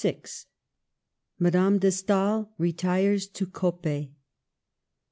MADAME DE STAEL RETIRES TO COPPET.